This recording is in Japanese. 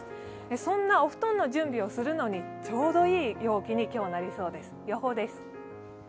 そんなお布団の準備をするのにちょうどいい陽気に今日はなりそうです。